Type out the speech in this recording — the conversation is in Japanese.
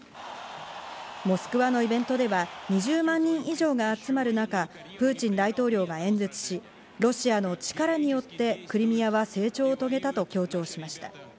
モスクワのイベントでは２０万人以上が集まる中、プーチン大統領が演説し、ロシアの力によってクリミアは成長を遂げたと強調しました。